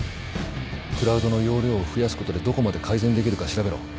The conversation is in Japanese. クラウドの容量を増やすことでどこまで改善できるか調べろ。